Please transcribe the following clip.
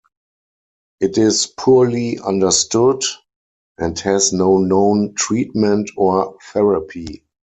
It is poorly understood and has no known treatment or therapy.